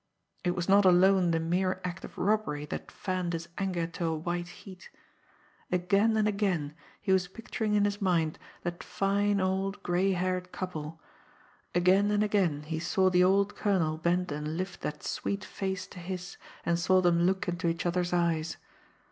It was not alone the mere act of robbery that fanned his anger to a white heat. Again and again, he was picturing in his mind that fine old gray haired couple; again and again he saw the old colonel bend and lift that sweet face to his, and saw them look into each other's eyes.